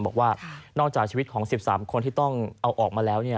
บอกว่านอกจากชีวิตของ๑๓คนที่ต้องเอาออกมาแล้ว